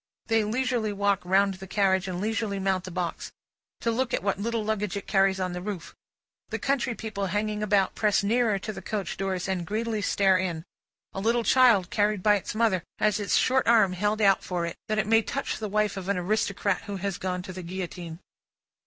They leisurely walk round the carriage and leisurely mount the box, to look at what little luggage it carries on the roof; the country people hanging about, press nearer to the coach doors and greedily stare in; a little child, carried by its mother, has its short arm held out for it, that it may touch the wife of an aristocrat who has gone to the Guillotine.